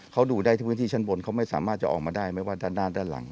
เขาดูได้ที่พื้นที่ชั้นบนเขาไม่สามารถจะออกมาได้ไม่ว่าด้านหน้าด้านหลัง